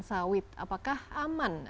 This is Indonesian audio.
sawit apakah aman